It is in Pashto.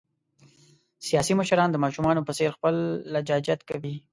سیاسي مشران د ماشومان په څېر خپل لجاجت کوي.